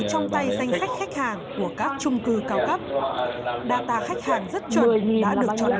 các bạn cũng khai thác rồi